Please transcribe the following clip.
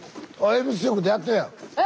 え？